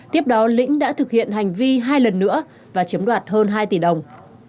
tiếp đó lĩnh đã thực hiện hành vi hai lần nữa và chiếm đoạt hơn hai tỷ đồng